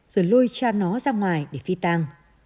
rồi lôi cha nó ra ngoài để phi tàng